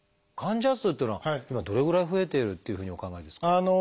患者数っていうのは今どれぐらい増えているというふうにお考えですか？